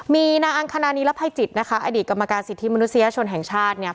มีนางอังคณานีรภัยจิตนะคะอดีตกรรมการสิทธิมนุษยชนแห่งชาติเนี่ย